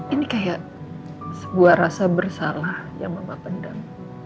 ini kayak sebuah rasa bersalah yang mama pendam